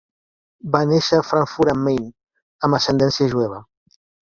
Va néixer a Frankfurt am Main, amb ascendència jueva.